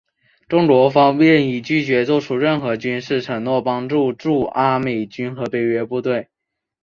中国方面已拒绝做出任何军事承诺帮助驻阿美军和北约部队。